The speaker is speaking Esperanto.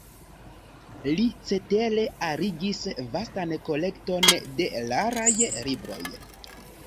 Li cetere arigis vastan kolekton de raraj libroj.